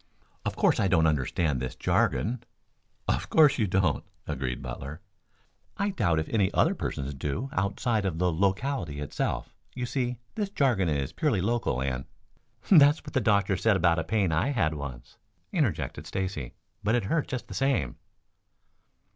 "Of course I don't understand this jargon." "Of course you don't," agreed Butler. "I doubt if any other persons do outside of the locality itself. You see this jargon is purely local and " "That's what the doctor said about a pain I had once," interjected Stacy. "But it hurt just the same."